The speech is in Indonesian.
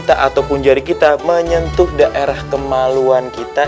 atau punjari kita menyentuh daerah kemaluan kita